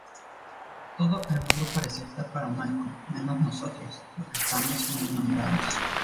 Todo el mundo parecía estar paranoico, menos nosotros que estábamos muy enamorados.